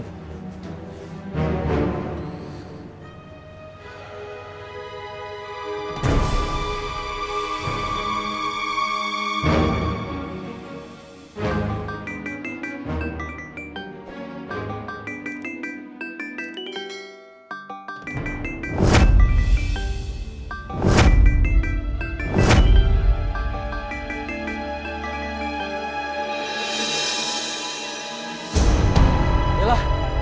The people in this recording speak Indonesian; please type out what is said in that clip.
aku gak mau buktikan